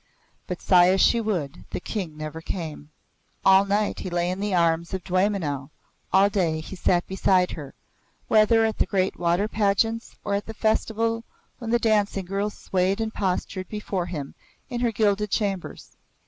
But sigh as she would, the King came never. All night he lay in the arms of Dwaymenau, all day he sat beside her, whether at the great water pageants or at the festival when the dancing girls swayed and postured before him in her gilded chambers.